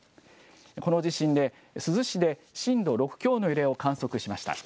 この地震で珠洲市で震度６強の揺れを観測しました。